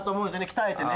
鍛えてね。